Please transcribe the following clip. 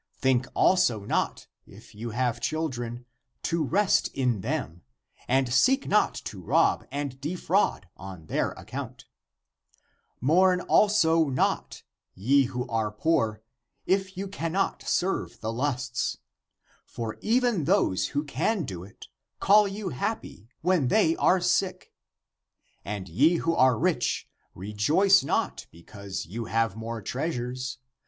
Think also not, if you have children, to rest in them, and seek not to rob and defraud on their account ! Mourn also not, ye who are poor, if you cannot serve the lusts ! For even those who can do it, call you happy, when they are sick. And ye who are rich, rejoice not because you have more treasures!